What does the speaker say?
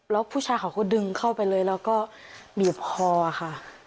แล้วผู้ชายเขาก็ดึงเข้าไปเลยแล้วก็บีบคอค่ะ